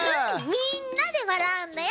みんなでわらうんだよ。